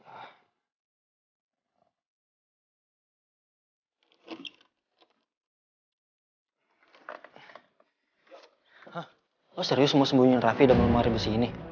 hah lo serius mau sembunyiin raffi dalam lemari besi ini